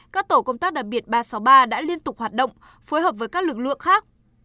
các tổ công tác đặc biệt ba trăm sáu mươi ba đã liên tục hoạt động phối hợp với các lực lượng khác